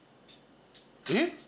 えっ？